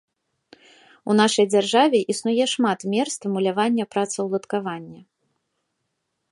У нашай дзяржаве існуе шмат мер стымулявання працаўладкавання.